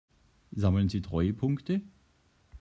Sammeln Sie Treuepunkte?